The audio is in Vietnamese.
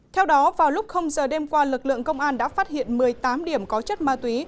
theo đó vào lúc giờ đêm qua lực lượng công an đã phát hiện một mươi tám điểm có chất ma túy